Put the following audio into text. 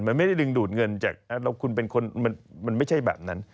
มันไม่ได้ดึงดูดเงินจากคุณเป็นคนมันไม่ใช่แบบนั้น